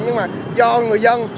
nhưng mà do người dân